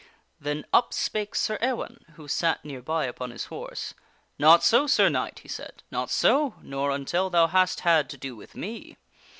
Then up spake Sir Ewaine, who sat nearby upon his horse. " Not so,. Sir Knight," he said ;" not so, nor until thou hast had to do with me.